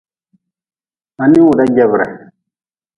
Ma ninwuda jebri.